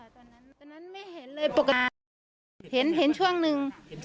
ตอนนั้นไม่เห็นเลยปกติเห็นช่วงหนึ่ง